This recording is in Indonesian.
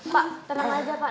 pak tenang aja pak